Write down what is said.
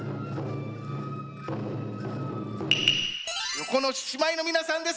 横野獅子舞のみなさんです。